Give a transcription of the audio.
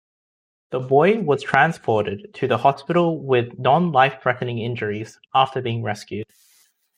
The boy was transported to the hospital with non-life-threatening injuries after being rescued.